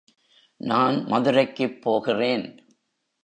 நான் மதுரைக்குப் போகிறேன்.